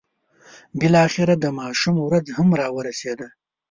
بالاخره د ماشوم ورځ هم را ورسېده.